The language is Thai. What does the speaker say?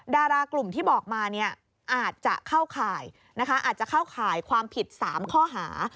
ดารากลุ่มที่บอกมาเนี่ยอาจจะเข้าข่ายความผิด๓ข้อหา